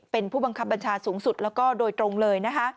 เป็นผู้บังคับบัญชาสูงสุดแล้วก็โดยตรงเลยนะคะ